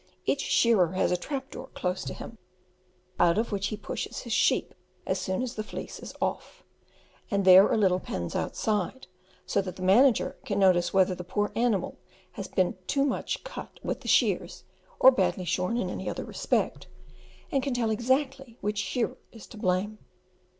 Each shearer has a trap door close to him, out of which he pushes his sheep as soon as the fleece is off, and there are little pens outside, so that the manager can notice whether the poor animal has been too much cut with the shears, or badly shorn in any other respect, and can tell exactly which shearer is to blame.